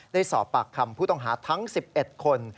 ได้สอบปากคำผู้ต้องหาทั้ง๑๑คน